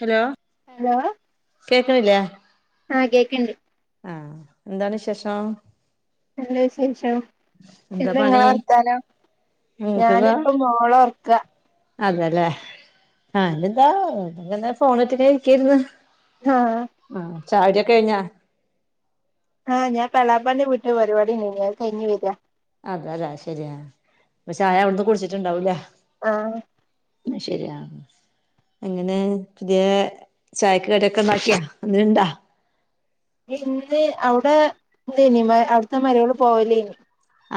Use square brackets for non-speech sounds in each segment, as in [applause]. Hello. Hello കേക്കണില്ലേ ആഹ കേക്ക്‌ണ്ട്. ആഹ എന്താണ് വിശേഷം? നല്ല വിശേഷം. എന്താ പണി എന്താങ്ങളെ വർത്താനം? നിനക്ക്താ ഞാനിപ്പോ മോളെറക്ക. അതല്ലേ ഞാതാ ഫോണെറ്റ് ഇങ്ങനെ ഇരിക്കെരുന്നു. ആഹ. അ ആ ചായടിക്കെ കഴിഞ്ഞാ? ആഹ ഞപ്പോ എളാപ്പാന്റെ വീട്ടിൽ ഒരു പരുവാടി ഇണ്ടേനി അത് കഴിഞ്ഞ് വരാ. അതെ അതെ ശെരിയാ അപ്പൊ ചായ അവിടുന്ന് കുടിച്ചിട്ടുണ്ടാവൂലേ. ആഹാ. ശരിയാ. അങ്ങനെ പുതിയ ചായക്ക്‌ കടിക്കെണ്ടാക്കിയാ ന്തേലുണ്ട? ഇന്ന് അവുടെ തേനി അവിടുത്തെ മാരോള് പോവാലെനി.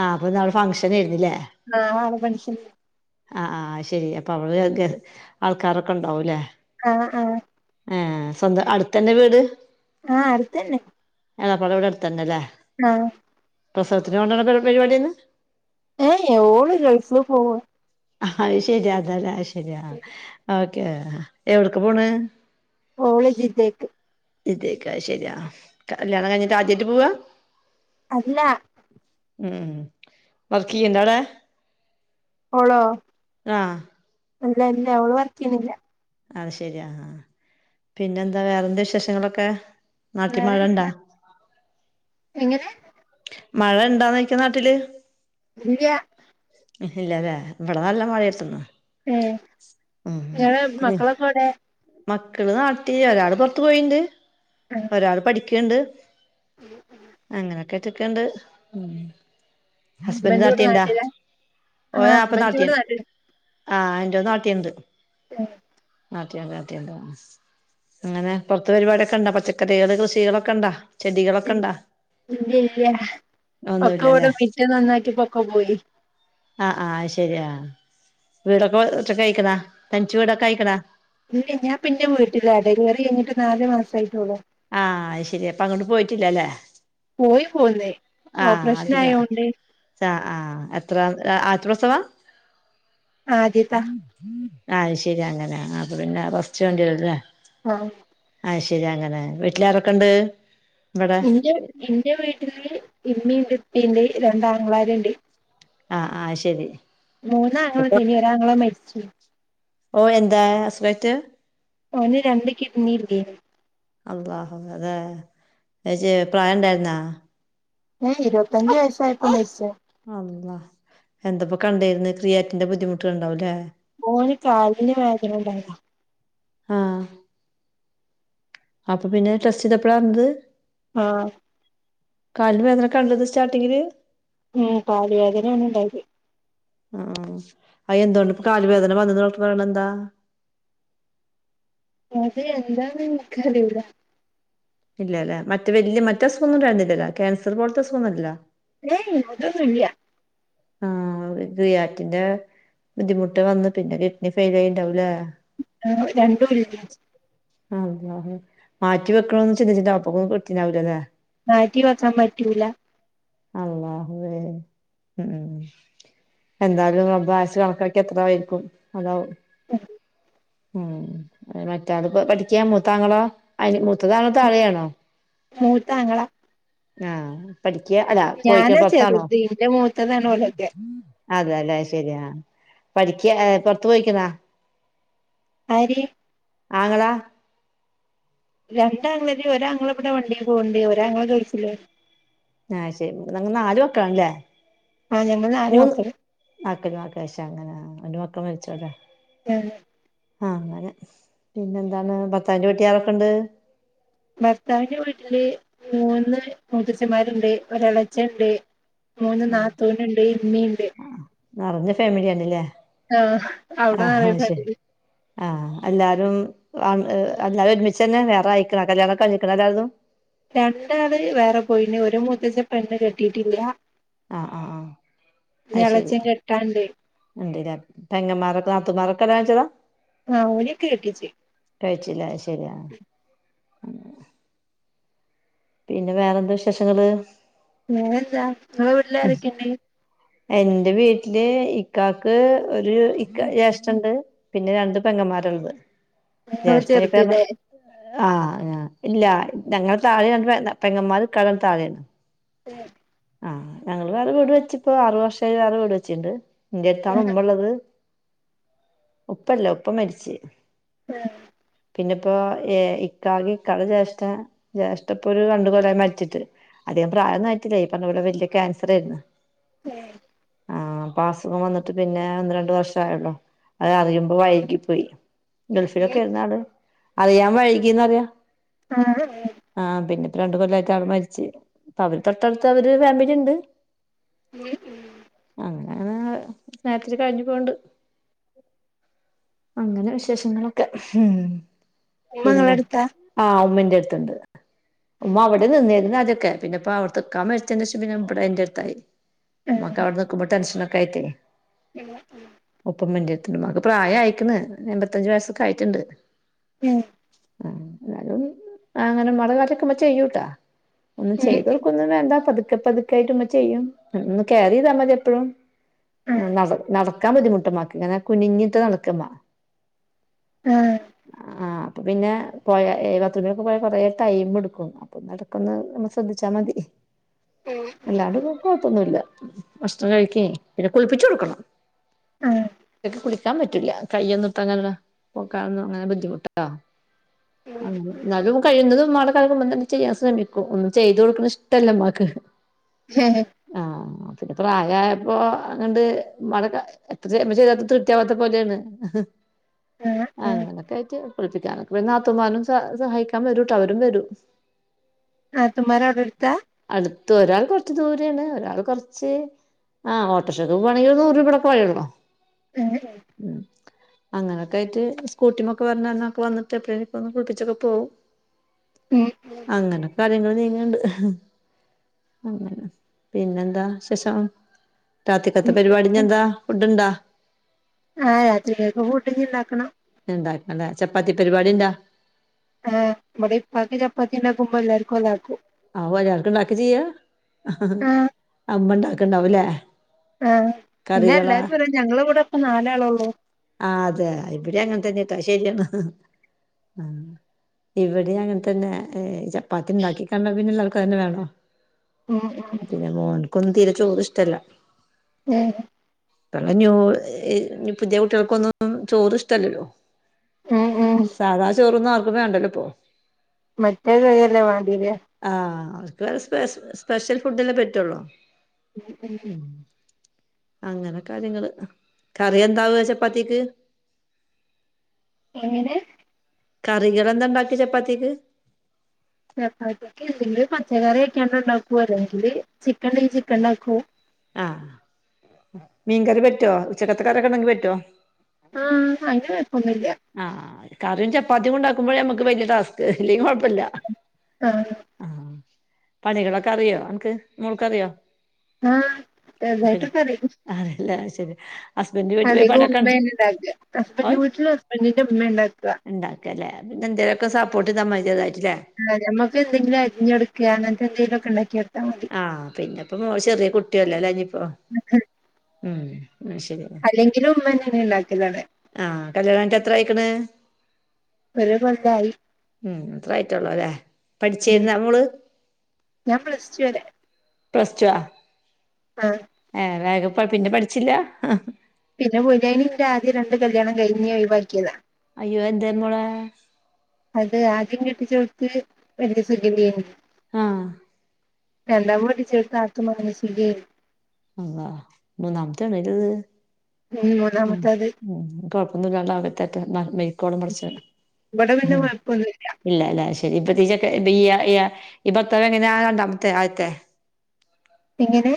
ആ് അപ്പൊ ന്നവടെ ഫംഗ്ഷൻ നേരുന്നല്ലേ? ആഹ ആ ഫങ്ക്ഷൻ. ആ ആഹ് ആ ശരി അപ്പൊ അവള് ആൾക്കാരൊക്കെ ഉണ്ടാവൂല്ലേ? ആഹ ആഹ. ഹേ സ്വന്തം അടുത്തന്നെ വീട്? ആഹ് അടുത്തന്നെ. എളാപ്പാടെ വിട് അടുത്തന്നല്ലേ. ആഹ്. പ്രസവത്തിന് കൊണ്ടാണ പരിവാടിയെന്ന്? എയ് എ ഓള് ഗൾഫി പോവ. അയ്ശെരി അതെ അതെ ശെരിയാ ഓക്കേ എവിടക്ക് പോണ്. ഓള് ജിദ്ദേക്ക്‌. ജിദ്ദേക്ക് ആഹ് ശരിയാ കല്യാണം കഴിഞ്ഞിട്ട് ആദ്യയിട്ട് പോവാ? അല്ല. മ്മ് വർക്കെയിണ്ടവടെ? ഓളോ? ആഹ്. അല്ല ഇല്ല ഓള് വർക്ക് ചെയ്യുന്നില്ല. അതുശരിയാ, ആഹ ആഹ പിന്നെയെന്താ വേറെന്താ വിശേഷങ്ങളൊക്കെ നാട്ടിൽ മഴണ്ട. വേറെന്താ എങ്ങനെ മഴയുണ്ടോ നോയിക നാട്ടില്. ഇല്യാ ഇല്ലിലല്ലേ. ഇവിടെനല്ല മഴയെടന്ന. ഏ നിങ്ങളൊ മക്കളൊക്കെയെവിടെ മക്കള്നാട്ടില് ഒരാളു പുറത്തുപോയിട്ടുണ്ട്. ആഹ് ഒരാളുപഠിക്കയുണ്ട്. അങ്ങനെയൊക്കെയൊറ്റക്കണ്ട്. ഹസ്ബന്റ് ഇവ്ടെ ഹസ്ബൻഡുനാട്ടിലുണ്ടോ, നാട്ടിലാ ആ ഹസ്ബൻഡ് ഇവിടെ ഓനപ്പനാട്ടിലുണ്ട് നാട്ടില് ആഹ് ആന്റോനാട്ടിലുണ്ട് ഏ ആട്ടയുണ്ടോആട്ട യുണ്ടോ, അങ്ങനെ പുറത്തുപരിപാടിയൊക്കെയുണ്ടോ, പച്ചക്കറികൾ കൃഷികളൊക്കെയുണ്ടോ. ഇല്ലയില്ലാ അതൊക്കെ യിവിടെ ഒന്നുല്ലല്ലേ മിറ്റം നന്നാക്കിയപ്പോളൊക്കെ പോയി. ആഹ്. ആഹ്. അതു ശരിയാ, വീടൊക്കെ ഒറ്റക്കാനയിക്കുന്നേ, തനി ച്ചുവീടൊക്കെ നയിക്കണേ ഇല്ല ഞാൻപിന്നെവീട്ടിലാ ഡെലിവറി കഴിഞ്ഞിട്ടു നാലുമാസമേയായിട്ടുള്ളൂ. ആഹ് അതുശരിയപ്പമങ്ങോട്ടു പോയിട്ടില്ലയല്ലേ.. പോയിപോന്ന് അധികം ഓപ്പറേഷനായതു കൊണ്ട്. ആഹ്. ആഹ്എത്ര ആദ്യത്തെപ്രസവ ആദ്യത്താ ആഹ്. ആതുശരി അങ്ങനെ അതുപിന്നെ കുറച്ചുവണ്ടിയുള്ളല്ലേ ആഹ് ആഹ്. ശരിയങ്ങനെ വീട്ടിലാരൊക്കെയുണ്ട്. എന്റെ, എന്റെ വീട്ടില് ഉമ്മിംയുണ്ട്ഉപ്പിംയുണ്ട്. രണ്ടാങ്ങളമാരുണ്ട്. ആഹ്. ആഹ് ശരി മൂന്നാങ്ങളയുണ്ടിനി ഒരാങ്ങള മരിച്ചു ഓ. എന്താ ആക്സിഡന്റ് ഓന് രണ്ടുകിഡ്നിയില്ലേന് അള്ളാ, അതേ ചേച്ചി പ്രായമുണ്ടായിരുന്നോ ഏയ്. ഇരുപത്തഞ്ചു വയസ്സായപ്പോ മരിച്ചത്. അളളാ, എന്തപ്പകണ്ടേന്നു ക്രിയാറ്റിന്റെ ബുദ്ധിമുട്ടുണ്ടാകുവല്ലേ ഓന് കാലിനുവേദന ഉണ്ടായിരുന്നു ആഹ് അപ്പൊപിന്നെറെസ്റ്റു ചെയ്തപ്പളായിത്. ആഹ്.. കാലനുവേദന കണ്ടത് സ്റ്റാർട്ടിംങ്ങില്. ഉം.. കാലുവേദനാണുണ്ടായത്. ആഹ്. അതെന്തുകൊണ്ടിപ്പോ കാലിനുവേദന വന്നത് ഡോക്ടർ പറയണ തെന്താ. അതെന്താനെനിക്കറിയൂല. ഇല്ലയല്ലേ, മറ്റ വലിയ മറ്റസുഖമൊന്നും ഉണ്ടായിരുന്നില്ലല്ലോ, കാൻസർ പോലത്തെ അസുഖമൊന്നുംമില്ലല്ലോ ഏയ് അതൊന്നു ഇല്ല ആഹ് ക്രിയാറ്റിന്റെ ബുദ്ധിമുട്ടുവന്നു പിന്നെ കിഡ്നി ഫെയിൽ ആയിട്ടുണ്ടാവൂലേ ആഹ് രണ്ടു ഇല്ല ആഹ് മാറ്റിവെക്കണമെന്നുചിന്തിച്ചിട്ടപ്പൊളൊന്നും കിട്ടീട്ടുണ്ടാവില്ലയല്ലേ മാറ്റിവയ്ക്കാൻ പറ്റൂല അള്ളാഹുവേ ഹും ഹും എന്തായാലും അള്ളാ ആയുസ് കണക്കാക്കിയതത്രയിക്കും അതാവും ഉം മറ്റാളിപ്പോപഠിക്കാ, മൂത്തയാങ്ങള അതിന്‌ മുത്തതാണോ താഴെയാണോ. മൂത്താങ്ങള ആഹ് പഠിക്കാ അല്ലാ പോയിരിക്ക ഞാനാ പുറത്താണോ ചെറുത് ഇന്റെ മൂത്തതാണ് ഓലൊക്കെ അതെയല്ലെ ശരിയാ പഠിക്കാ പുറത്തുപോയിരിക്കുന്നോ ആര് ആങ്ങളാ രണ്ടാങ്ങളാര് ഒരാങ്ങള ഇവിടെ വണ്ടിൽ പോകണ്ട് ഒരാങ്ങള ഗൾഫിലും ആ ശരി ഇങ്ങ നാല് മക്കളാല്ലേ? ആ ഞങ്ങൾ നാല് മൂന്ന് മക്കള് മക്കല് മക്ക വിശ അങ്ങനെ ഒരു മക്കെ മരിച്ചോ ലേ [unintelligible] ആഹ് അങ്ങനെ പിന്നെ എന്താണ് ഭത്താവിന്റെ വീട്ടിൽ ആാരൊക്കെ ഉണ്ട്? ഭർത്താവിന്റെ വീട്ടില് മൂന്ന് മുത്ത ച്ചമാരുണ്ട് ഒരളച്ചൻണ്ട് മൂന്ന് നാത്തൂന്ണ്ട് ഇമ്മിണ്ട് നിറഞ്ഞ ഫാമിലിയ ആണ്ല്ലേ? ആഹ് ആവിടാനേ ഫമിലി ആഹ് എല്ലാരും ആ എല്ലാലും ഒരുമിച്ച് തന്നെ വേറെ അയിക്ക്ണ കല്യാണം ഒക്കെ കയിഞ്ഞ് ക്കണോ എല്ലാരേതും? രണ്ടാള് വേറെ പോയിന് ഒരു മൂത്തചൻ പെണ്ണ് കെട്ടിയിട്ടില്ല ആഹ് ആഹ് ആഹ് എളച്ചൻ കേട്ടാണ്ട് ഉണ്ട് ല്ലേ പെങ്ങമ്മാരൊക്കെ നത്തോന്മാരൊക്കെ കല്യാണം കഴിച്ചതാ ആഹ് ഓലൊക്കെ കെട്ടിച് കഴിച് ലേ ശരിയാ പിന്നെ വേറെന്താ വിശേഷങ്ങള്? വേറെന്താ ങ്ങള് വീട്ടില ആരക്കണ്ടേ? എന്റെ വീട്ടില് ഇക്കാക്ക് ഒരു ഇക്ക ജേഷ്ഠൻണ്ട് പിന്നെ രണ്ട് പെങ്ങന്മാരുള്ളത് നിങ്ങള് ജ്യേഷ്ഠപ്പ ചെറുതല്ലേ ആഹ് ആ ഇല്ല ഞങ്ങള താളെ പെങ്ങമാർ ഇക്കാന്റെ താഴേയാണ് തെ ആഹ് ഞങ്ങൾ വേറെ വീട് വെച്ചിപ്പോ ആറു വർഷമായി വേറെ വീട് വെച്ചിണ്ട് ഇന്റെ അടുത്താണ് ഉമ്മ ള്ളത് ഉപ്പല്ല ഉപ്പ മരിച്ച് ഏ പിന്നെ ഇപ്പോ ഇക്കാകെ ഇക്കാടെ ജേഷ്ഠ ജേഷ്ഠ ഇപ്പൊ ഒരു രണ്ട് കൊല്ലായി മരിച്ചിട്ട് അതികം പ്രായം ഒന്നു ആയിട്ടില ഈ പറഞ്ഞ പോലെ വലിയ ക്ൻസർ ആയിരുന്നു ഏഹ് ആഹ് അപ്പൊ അസുഖം വന്നിട്ട് പിന്നെ ഒന്ന് രണ്ട് വർഷായുള്ളോ അത് അറിയുമ്പോ വൈകി പോയി ഗൾഫിലൊക്കെ ഇരുന്നാള് അറിയാൻ വഴ്കിന്ന്റിയ ആഹ് ആഹ് പിന്നെ പ്പ രണ്ട് കൊല്ലയിട്ട് ആള് മരിച്ചു അപ്പൊ അവര് തൊട്ടടുത്ത് അവര് ഫാമിലി ഉണ്ട് ഉം ഉം അങ്ങനെ സ്നേഹത്തി കഴിഞ്ഞു പോവ്ണ്ട് അങ്ങനെ വിശേഷങ്ങളൊക്കെ ഉം ഉമ്മ ഇങ്ങളെ പിന്നെ അടുത്താ ആഹ് ഉമ്മന്റെടുത്തുണ്ട് ഉമ്മ അവിടെ നിന്നായിരുന്നു അദ്യോക്കെ പിന്നെപ്പ ക്കാം മരിച്ച ശേഷം പിന്നെവിടെ ഇന്റട്ത മ്മക്കവിടെ നിക്കുമ്പോ ടെൻഷൻ ഒക്കെ ആയിട്ട് [unintelligible] ഒപ്പ വണ്ടത്തിണ്ട് മക്ക് പ്രായം ആയിക്കുന്ന എൺമ്പത്തഞ്ചു വയസ്സൊക്കെ ആയിട്ടുണ്ട് ഉം ആ ന്നാലും ആങ്ങള മാരെ കാര്യൊക്കെ ഇമ്മ ചെയ്യുട്ടാ ഒന്ന് ചെയ്ത ആഹ് കൊടുക്ക ഒന്നും വേണ്ട പതുക്കെ പതുക്കെ ആയിട്ട്മ്മ ചെയ്യും ഒന്ന് കെയർ ചെയ്താൽ മതി എപ്പോഴും അ ആഹ് നട നടക്കാൻ ബുദ്ധിമുട്ട് ഇമ്മാക്ക് ങ്ങനെ കുനിഞ്ഞിട്ട് നടക്ക ഇമ്മ ആഹ് പിന്നെ പോയ ബാത്റൂമിലൊക്കെ പോയാ കൊറേ ടൈം എടുക്കും അപ്പൊ നടക്കന്ന് നമ്മൾ ശ്രദ്ധിച്ചാൽ മതി ഉം എല്ലാട് പോക്കത്തൊന്നുമല്ല ഭക്ഷണം കഴിക്ക പിന്നെ കുളിപ്പിച്ചു കൊടുക്കണം ഒറ്റക്ക് കുളിക്കാൻ പറ്റില്ല കയ്യൊന്നിപ്പങ്ങനല്ല പോക്കാനും അങ്ങനെ ബുദ്ധിമുട്ടാ അങ്ങനെ ഇന്നാലും കഴുന്നതും മ്മാടെ കാര്യം ഉമ്മന്നെ ചെയ്യാൻ ശ്രമിക്കും ഒന്നും ചെയ്ത് കൊട്ക്ക്‌ണത് ഇഷ്ടല്ലമ്മാക്ക് ഹേ അപ്പോപ്പിന്നെ പ്രയായപ്പോ അങ്ങട്ട് മ്മാടെ എത്ര ചെ മ്മൾ ചെയ്തോട്ത്താലും തൃപ്തിയാവാത്ത പോലെയാണ് ആഹ് ആഹ് അങ്ങനൊക്കായിട്ട് കുളിപ്പിക്കാനൊക്കെ പിന്നെ നാത്തൂന്മാരും സ സഹായിക്കാൻ വരൂട്ടൊ അവരും വരും നാത്തൂന്മാർ അവിടെ അടുത്താ അടുത്ത് ഒരാൾ കൊറച്ച് ദൂര ഏണ് ഒരാൾ കുറച്ച് ആ ഓട്ടോർഷക്ക് പോവാണെങ്കിൽ നൂറ് രൂപയുടൊക്കെ വഴിയൊള്ളു ആഹ് ഉം അങ്ങനെയൊക്കായിട്ട് സ്കൂട്ടിമ്മക്കെ വന്നു വന്നിട്ട്എപ്പോഴും ഒന്ന് കുളപ്പിച്ചൊക്കെ പോവും അങ്ങനെ കാര്യങ്ങൾ നീങ്ങ്ണ്ട് അങ്ങനെ പിന്നെന്താ വിശേഷം രാത്രികത്തെ പരിപാടി എന്താ ഫുഡ്ണ്ടൊ ആഹ് രാത്രികേക്ക് ഫുഡ് ഉണ്ടാക്കണം ണ്ടാക്കണം ലെ ചപ്പാത്തി പരിപാടിണ്ടൊ ആഹ് ഇബടെ ഉപ്പാക്ക് ചപ്പാത്തിണ്ടാക്കുമ്പോ എല്ലാർക്കും അതാക്കും ആ ഒരാൾക്ക് ഇണ്ടാക്ക ചെയ്യ ആഹ് അമ്മ ഇണ്ടാക്ക്‌ണ്ടാവും ല്ലേ ആഹ് പിന്നെ എല്ലാരും പറ ഞങ്ങളെ കൂടെ ഇപ്പം നാലാളെ ഉള്ളൂ ആഹ് അതെ ഇവിടെ അങ്ങനെ തന്നെ ട്ടൊ അത് ശെരിയാണ് ഇവിടെം അങ്ങനെ തന്നെ ചപ്പാത്തി ഉണ്ടാക്കി ക പിന്നെള്ളോർക്ക് തന്നെ വേണോ ഉം ഉം പിന്നെ മോനക്കൊന്നും തീരെ ചോർ ഇഷ്ടല്ല ഉം ന്യൂ പുതിയ കുട്ടികൾക്കൊന്നും ചോറ് ഇഷ്ടല്ലല്ലോ ഉം ഉം സാധാ ചോറൊന്നും ആർക്കും വേണ്ടല്ലോ ഇപ്പോ മറ്റേ കൈയ്യല്ലേ വാണ്ടിവെര ആഹ് അവർക്ക് വേറെസ്പെ സ്പെഷ്യൽ ഫുഡല്ലേ പറ്റുള്ളൂ അങ്ങനെ കാര്യങ്ങള് കറി എന്താവും ചപ്പാത്തിക്ക് എങ്ങനെ കറികൾ എന്താ ഉണ്ടാക്കി ചപ്പാത്തിക്ക് ചപ്പാത്തിക്ക്‌ എന്തെങ്കിലും പച്ചക്കറി ഓക്കെയാണ്ട് ഉണ്ടാക്കും അല്ലെങ്കില് ചിക്കെണ്ടേങ്കിൽ ചിക്കൻണ്ടാക്കും ആഹ് മീൻകറി പറ്റോ ഉച്ചക്കത്തെ കറിയൊക്കെ ഉണ്ടെങ്കിൽ പറ്റോ ആഹ് അങ്ങനെ കൊയപ്പൊന്നുല്ല ആഹ് കറിയും ചപ്പാത്തിയും ഉണ്ടാക്കുമ്പോഴെ നമ്മക്ക് വലിയ ടാസ്ക് അല്ലെങ്കിൽ കൊഴപ്പല്ല ആഹ് ആഹ് പണികളൊക്കെ അറിയോ അനക്ക് മോൾക്ക് അറിയോ ആഹ് ചെറുതായിട്ടൊക്കെ അറിയും അതല്ല, അത് ശെരി അധികും ഉമ്മേൻ ഉണ്ടാക്കുക, ഹസ്ബന്ഡന്റെ വീട്ടിൽ ഹസ്ബൻഡിന്റെ ഉമ്മയാ ഉണ്ടാക്കുക ഉണ്ടാക്കലേ, പിന്നെ എന്തേലൊ ക്കെ സപ്പോർട്ട് ചെയ്ത മതി ചെറുതായിട്ട്ലെ അതെ, നമ്മക്ക് എന്തെങ്കിലും അരിഞ്ഞൊടുക്ക അങ്ങനത്തെ എന്തെങ്കിലുമൊക്കെ ഉണ്ടാക്കിയ മതി ആഹ് പിന്നെപ്പോ മോൾ ചെറിയ കുട്ടിയല്ലലെ ഇഞ്ഞിപ്പോ ഉം അത് ശരിന്നെ മ്മന്നെഅണ്ട് ഇണ്ടാക്കൽ ആണ് ആഹ് കല്ല്യാണം കഴിഞ്ഞിട്ട് എത്ര ആയിക്ക്‌ണ്? ഒരു കൊല്ലടുത്തായി ഉം അത്രായിട്ടൊള്ളൂലെ ഉം പഠിച്ചരുന്നൊ അന്ന്? ഞാൻ പ്ലസ്ടു വരെ പ്ലസ്ടോ? ആഹ് ഏഹ്, വേഗ [unintelligible] പിന്നെ പഠിച്ചില്ല? പിന്നെ പോയില, ന്റെ ആദ്യം രണ്ട് കല്യാണം കഴിഞ് ഒഴിവാക്കിയത അയ്യോ അത് എന്തെ മോളെ? അത് ആദ്യം കെട്ടിച്ചോടുത്ത് വലിയ സുഖല്ലേനി ആഹ് രണ്ടാമത് കെട്ടിച്ചോട്ത്ത് ആൾക്ക് മാനസികയിന് അല്ലാഹ് മൂന്നാമത്തെണത്? ഉം ഉം, മൂന്നാമത്തത് മൂ, കൊഴപ്പൊന്നുല്ലാല്ലോ അവിടെത്തേട്ടെ, [unintelligible] ഇവിടെ പിന്നെ കുഴപ്പൊന്നുല്ല ഇല്ല, ഇല, ശരി ഇപ്പതെ ചെക്കൻ ബി യ എ യ, ഇബൻ ഇപ്പൊവെങ്ങാനാ, രണ്ടാമത്തെ, ആദ്യത്തെ? എങ്ങനെ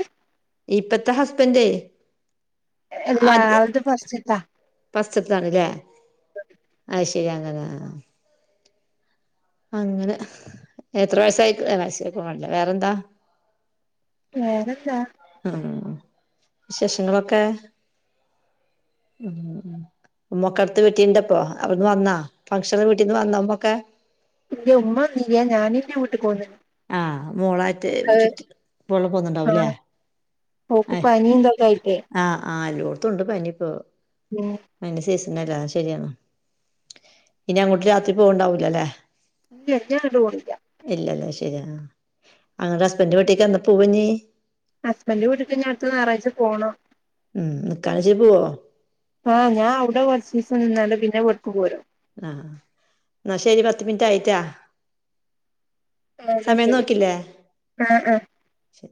ഇപ്പത്തെ ഹസ്ബൻഡേ അല്ല, ആളത് ഫസ്റ്റ്ത്താ ഫസ്റ്റ്ത്താണ്ലെ അത്, ശരി അങ്ങനെ ആഹ് അങ്ങനെ എത്ര വയസ്സായി, ആ വയസ്സ് ചോയ്ക്കാൻ പാടില്ല, വേറെന്താ? വേറെന്താ ഉം, വിശേഷങ്ങളൊക്കെ, ഉം ഉം ഉമ്മക്ക അടുത്ത വീട്ടീണ്ടപ്പൊ, അവിടുന്ന് വന്നാ ഫംഗക്ഷഷന് വീട്ടീന്ന് വന്നാ ഉമ്മൊക്കെ? എന്റെ ഉമ്മ വന്നില്ല, ഞാനന്റെ വീട്ടിക്ക് പോന്ന് ആഹ് മോളായിട്ട് ചുറ്റി മോള് പോന്നണ്ടാവുംലേ ആഹ് ഓക്ക് പനില്ലേതായിട്ട് ആഹ് ആഹ് എല്ലോടുത്തണ്ട് പനിപ്പോ [unintelligible] അതിന്റെ സീസൺല്ലെ, ശരിയാണ് ഇനി അങ്ങോട്ട് രാത്രി പോവ്ണ്ടാവൂലല്ലേ ഇല്ല, ഇഞ് അങ്ങട്ട് പോണില്ല ഇല്ലല്ലെ, ശരിയാ അങ്ങനെ ഹസ്ബൻഡ വീട്ടിക്ക് ന്നപ്പോ പോയിനി ഹസ്ബൻഡ് വീട്ട്ക്ക്ഞ്ഞി അടുത്ത ഞായറാഴ്ച പോണം ഉം നിക്കാനെച്ചു പോവോ? ആഹ് ഞാൻ അവിടെ കുറചീസം നിന്നാൽ പിന്നെ ഇവിടക്ക് പോരും ആഹ് ന്നാ ശരി പത്ത് മിനിറ്റ് ആയിട്ടാ അഹ് ന്ന സമയം ശരി നോക്കില്ലേ ആഹ് ആഹ് ശരി